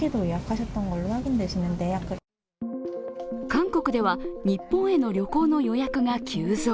韓国では日本への旅行の予約が急増。